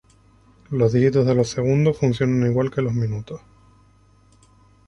Los dígitos de los segundos funcionan igual que los minutos.